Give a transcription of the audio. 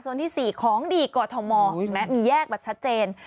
โซนที่สี่ของดีกว่าธรรมมีแยกแบบชัดเจน